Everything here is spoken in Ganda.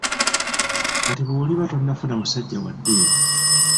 Kati bw'oliba tonnafuna musajja wa ddiini?